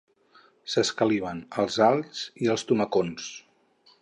S'escaliven els alls i els tomacons